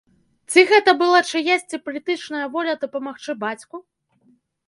Ці гэта была чыясьці палітычная воля дапамагчы бацьку?